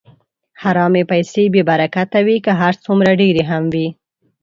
حرامې پیسې بېبرکته وي، که هر څومره ډېرې هم وي.